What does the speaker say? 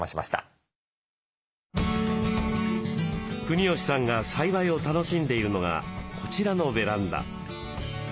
国吉さんが栽培を楽しんでいるのがこちらのベランダ。